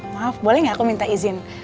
maaf boleh nggak aku minta izin